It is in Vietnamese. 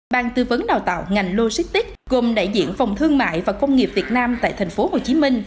bàn tư vấn đào tạo ngành logistics gồm đại diện phòng thương mại và công nghiệp việt nam tại thành phố hồ chí minh